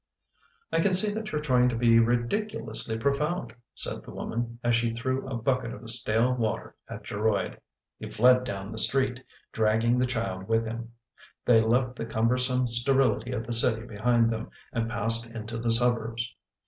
" I can see that you're trying to be ridiculously pro found," said the woman as she threw a bucket of stale water at Geroid. He fled down the street, dragging the child with him. They left the cumbersome sterility of the city behind them and passed into the suburbs.